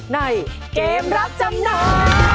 ในเกมรับจำนำ